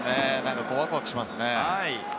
ワクワクしますね。